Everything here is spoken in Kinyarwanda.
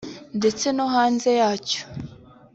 ndetse no hanze yacyo